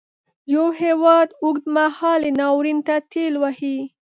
یو هیواد اوږد مهالي ناورین ته ټېل وهي.